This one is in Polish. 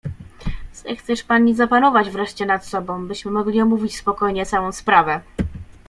"Zechcesz pani zapanować wreszcie nad sobą, byśmy mogli spokojnie omówić całą sprawę."